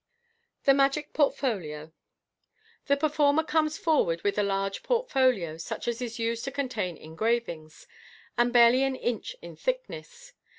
The Magic Portfolio. — The performer comes forward with a large portfolio, such as is used to contain engravings, and barely an inch in thickness.